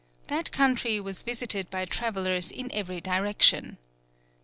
That country was visited by travellers in every direction.